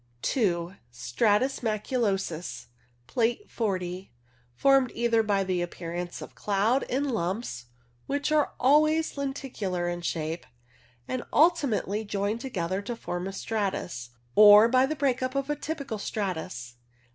Stratus maculosus (Plate 40). Formed either by the appearance of cloud in lumps, which are always lenticular in shape, and ultimately join together to form a stratus, or by the break up of the typical stratus.